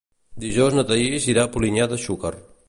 Dijous na Thaís irà a Polinyà de Xúquer.